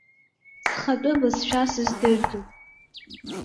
Схатәы бызшәа сыздырӡом.